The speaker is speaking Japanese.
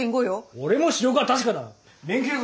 俺も視力は確かだ！